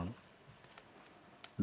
kami tidak takut kepada siapa pun